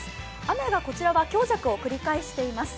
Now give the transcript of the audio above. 雨はこちらは強弱を繰り返しています。